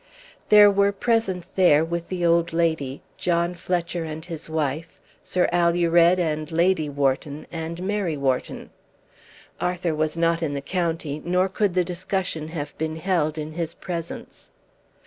There were present there, with the old lady, John Fletcher and his wife, Sir Alured and Lady Wharton, and Mary Wharton. Arthur was not in the county, nor could the discussion have been held in his presence.